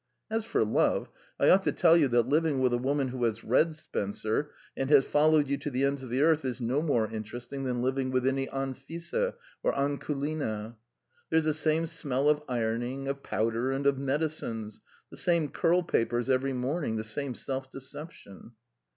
As for love, I ought to tell you that living with a woman who has read Spencer and has followed you to the ends of the earth is no more interesting than living with any Anfissa or Akulina. There's the same smell of ironing, of powder, and of medicines, the same curl papers every morning, the same self deception."